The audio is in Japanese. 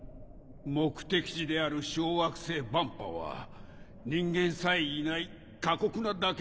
目的地である小惑星バンパは人間さえいない過酷なだけの星です。